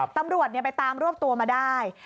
ตำรวจไปตามรวบตัวมาได้